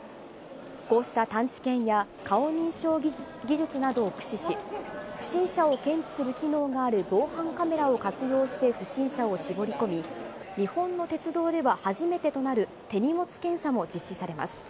こうした探知犬や顔認証技術などを駆使し、不審者を検知する機能がある防犯カメラを活用して不審者を絞り込み、日本の鉄道では初めてとなる、手荷物検査も実施されます。